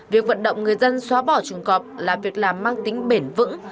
việc vận động người dân xóa bỏ trùng cọp là việc làm mang tính bền vững